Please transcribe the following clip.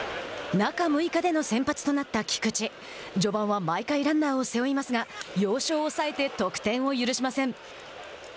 中６日での先発となった菊池序盤は毎回ランナーを背負いますが要所を押さえて得点を許しません。